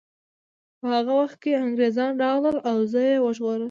په هغه وخت کې انګریزان راغلل او زه یې وژغورلم